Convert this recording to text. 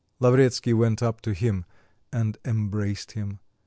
Lavretsky went up to him and embraced him.